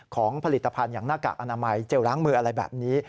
ผลิตภัณฑ์อย่างหน้ากากอนามัยเจลล้างมืออะไรแบบนี้